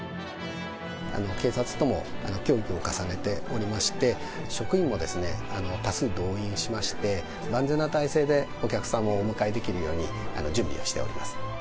警察とも協議を重ねておりまして、職員も多数動員をしまして、万全な態勢でお客様をお迎えできるように準備をしております。